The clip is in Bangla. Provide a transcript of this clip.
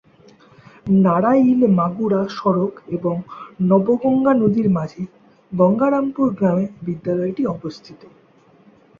নড়াইল-মাগুরা সড়ক এবং নবগঙ্গা নদীর মাঝে গঙ্গারামপুর গ্রামে বিদ্যালয়টি অবস্থিত।